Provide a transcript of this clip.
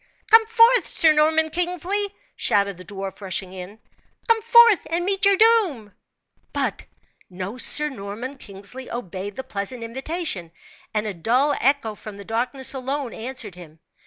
"Come forth, Sir Norman Kingsley!" shouted the dwarf, rushing in. "Come forth and meet your doom!" But no Sir Norman Kingsley obeyed the pleasant invitation, and a dull echo from the darkness alone answered him.